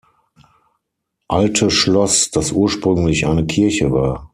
Alte Schloss, das ursprünglich eine Kirche war.